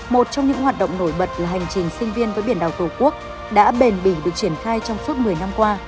một trong những hoạt động nổi bật là hành trình sinh viên với biển đảo tổ quốc đã bền bỉnh được triển khai trong suốt một mươi năm qua